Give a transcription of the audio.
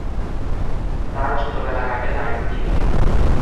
তার ছেলেবেলা কাটে দার্জিলিঙয়ে।